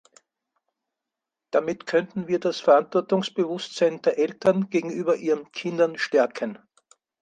Damit könnten wir das Verantwortungsbewusstsein der Eltern gegenüber ihren Kindern stärken.